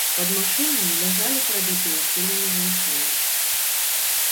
Пад машынамі ляжалі прабітыя кулямі жанчыны.